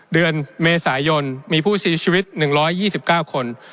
เดือนเมษายนมีผู้เสียชีวิต๑๒๙คน